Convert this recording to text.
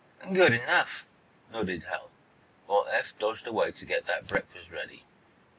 "Good enough!" nodded Hal, while Eph dodged away to get that breakfast ready.